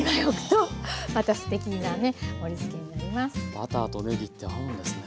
バターとねぎって合うんですね。